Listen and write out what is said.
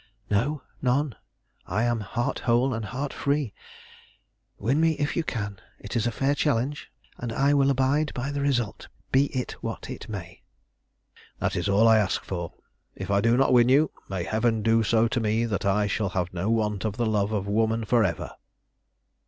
"No, none. I am heart whole and heart free. Win me if you can. It is a fair challenge, and I will abide by the result, be it what it may." "That is all I ask for. If I do not win you, may Heaven do so to me that I shall have no want of the love of woman for ever!"